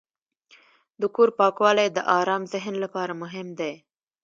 د کور پاکوالی د آرام ذهن لپاره مهم دی.